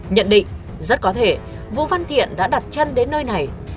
nhận định rất có thể vũ văn thiện đã đặt chân đến nơi này